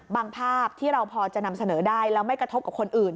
ภาพที่เราพอจะนำเสนอได้แล้วไม่กระทบกับคนอื่น